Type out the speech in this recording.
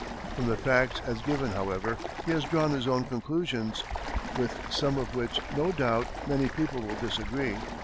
From the facts as given, however, he has drawn his own conclusions, with some of which, no doubt, many people will disagree.